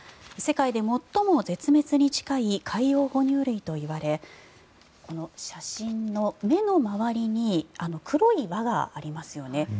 世界で最も絶滅に近い海洋哺乳類といわれ写真の目の周りに黒い輪がありますよね。